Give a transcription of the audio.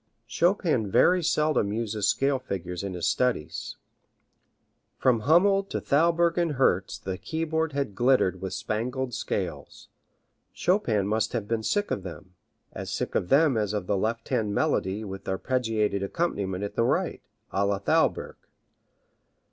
Chopin very seldom uses scale figures in his studies. From Hummel to Thalberg and Herz the keyboard had glittered with spangled scales. Chopin must have been sick of them, as sick of them as of the left hand melody with arpeggiated accompaniment in the right, a la Thalberg.